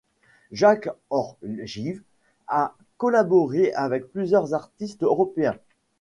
Jack or Jive a collaboré avec plusieurs artistes européens.